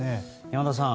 山田さん